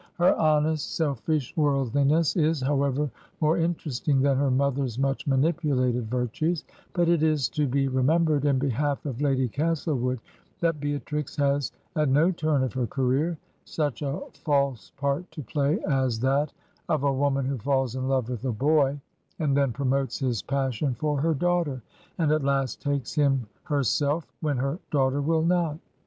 Her honest, 198 Digitized by VjOOQIC ^ THACKERAY'S BAD HEROINES selfish worldliness is, however, more interesting than her mother's much manipulated virtues; but it is to be remembered in behalf of Lady Castlewood that Beatrix has at no turn of her career such a false part to play as that of a woman who falls in love with a boy, and then promotes his passion for her daughter, and at last takes him herself when her daughter will not.